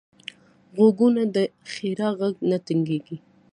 غوږونه د ښیرا غږ نه تنګېږي